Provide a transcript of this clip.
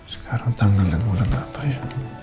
sekarang tanggal yang udah apa ya